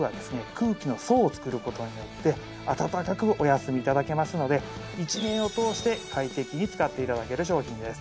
空気の層を作ることによってあたたかくお休みいただけますので１年を通して快適に使っていただける商品です